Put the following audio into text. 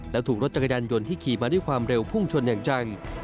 และถูกรถจักรยานยนต์ที่ขี่มาด้วยความเร็วพุ่งชนอย่างจัง